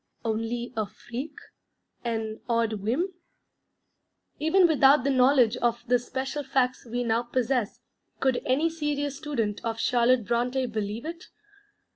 Only 'a freak'? an 'odd whim'? Even without the knowledge of the special facts we now possess, could any serious student of Charlotte Brontë believe it?